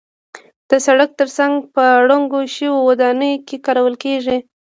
د سړک تر څنګ په ړنګو شویو ودانیو کې کارول کېږي.